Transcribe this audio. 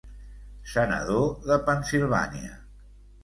Senador de Pennsilvània.